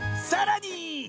さらに！